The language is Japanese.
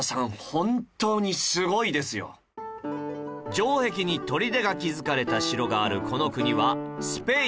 城壁に砦が築かれた城があるこの国はスペイン